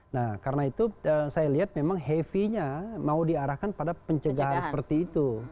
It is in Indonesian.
nah karena itu saya lihat memang heavy nya mau diarahkan pada pencegahan seperti itu